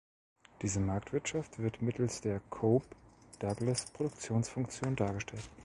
Diese Marktwirtschaft wird mittels der Cobb-Douglas-Produktionsfunktion dargestellt.